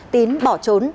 tín bỏ trốn